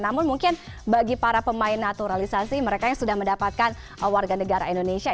namun mungkin bagi para pemain naturalisasi mereka yang sudah mendapatkan warga negara indonesia